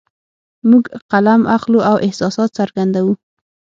موږ قلم اخلو او احساسات څرګندوو